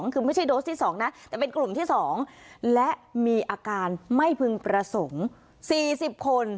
คือไม่ใช่โดสที่๒นะแต่เป็นกลุ่มที่๒และมีอาการไม่พึงประสงค์๔๐คน